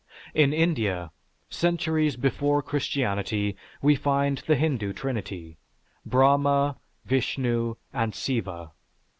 In India, centuries before Christianity, we find the Hindu trinity; Brahma, Vishnu, and Siva.